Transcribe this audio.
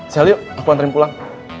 sel yuk aku anterin pulang